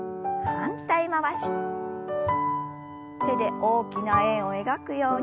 手で大きな円を描くように。